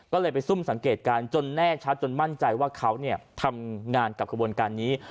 ก็เลยไปซุ่มสังเกตการณ์จนแน่ชัดจนมั่นใจว่าเขาทำงานกับขบวนการนี้